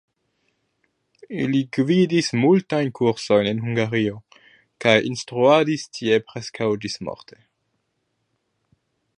Li gvidis multajn kursojn en Hungario, kaj instruadis tie preskaŭ ĝis-morte.